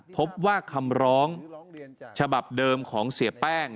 พบว่าคำร้องฉบับเดิมของเสียแป้ง